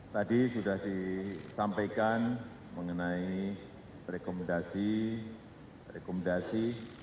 tadi sudah disampaikan mengenai rekomendasi rekomendasi